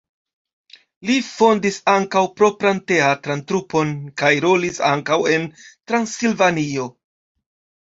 Li fondis ankaŭ propran teatran trupon kaj rolis ankaŭ en Transilvanio.